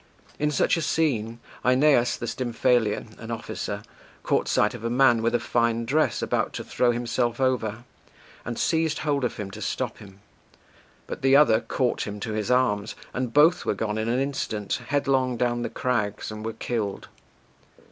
In such a scene, Aeneas the Stymphalian, an officer, caught sight of a man with a fine dress about to throw himself over, and seized hold of him to stop him; but the other caught him to his arms, and both were gone in an instant headlong down the crags, and were killed.